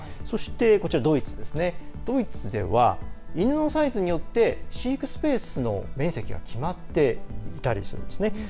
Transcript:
そして、ドイツでは犬のサイズによって飼育スペースの面積が決まっていたりするんですね。